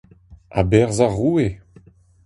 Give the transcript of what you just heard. A-berzh ar Roue !